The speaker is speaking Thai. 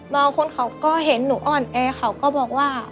บางคนเขาก็เห็นหนูอ่อนแอเขาก็บอกว่า